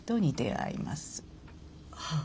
はあ。